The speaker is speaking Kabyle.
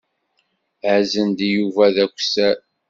Azen-d Yuba d akessar.